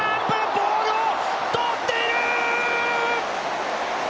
ボールを捕っている！！